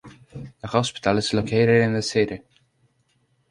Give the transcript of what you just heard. A hospital is located in the city.